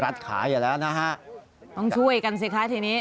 ต้องช่วยกันสิคะทีนี้